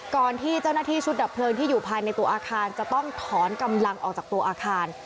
ก่อนที่เจ้าหน้าที่ชุดดับเพลิงที่อยู่ภายในตัวอาคารจะต้องถอนกำลังออกจากตัวอาคาร